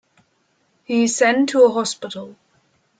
He is sent to a hospital.